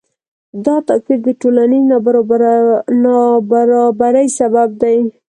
دا توپیر د ټولنیز نابرابری سبب دی.